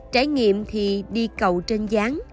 trải nghiệm thì đi cầu trên gián